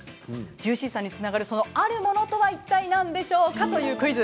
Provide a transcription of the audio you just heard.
ジューシーさにつながるそのあるものとは何でしょうかというクイズ。